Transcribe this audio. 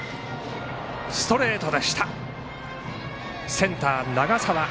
センター、長澤。